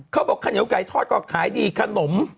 เขาบอกขนิ้วไก่ทอดก็ขายดีขนม